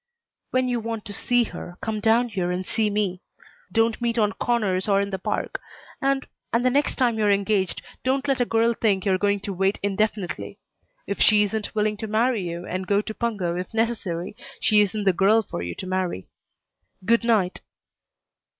"When you want to see her, come down here and see me. Don't meet on corners or in the park, and and the next time you're engaged don't let a girl think you're going to wait indefinitely. If she isn't willing to marry you and go to Pungo if necessary, she isn't the girl for you to marry. Good night."